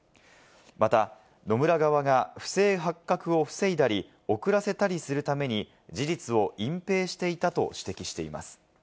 また野村側が不正発覚を防いだり、遅らせたりするために事実を隠蔽していたと指摘しています。